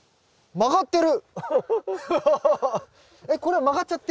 曲がってる！